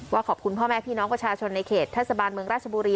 ขอบคุณพ่อแม่พี่น้องประชาชนในเขตเทศบาลเมืองราชบุรี